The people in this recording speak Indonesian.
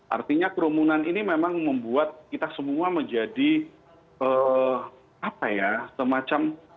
artinya kerumunan ini memang membuat kita semua menjadi apa ya semacam